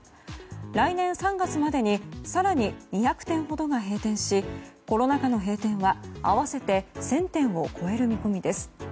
来年３月までに更に２００店ほどが閉店しコロナ禍の閉店は合わせて１０００店を超える見込みです。